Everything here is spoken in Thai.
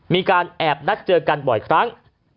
มีการแอบนัดเจอกันบ่อยครั้ง